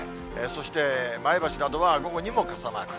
そして前橋などは午後にも傘マーク。